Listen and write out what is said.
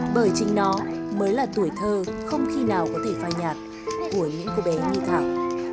bởi chính nó mới là tuổi thơ không khi nào có thể phai nhạt của những cô bé như thảo